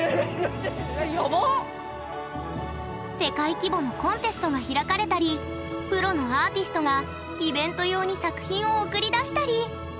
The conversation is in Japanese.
世界規模のコンテストが開かれたりプロのアーティストがイベント用に作品を送り出したり。